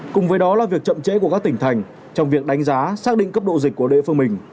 cùng với đó là việc chậm trễ của các tỉnh thành trong việc đánh giá xác định cấp độ dịch của địa phương mình